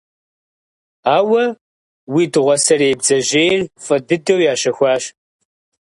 Ауэ уи дыгъуасэрей бдзэжьейр фӀы дыдэу ящэхуащ.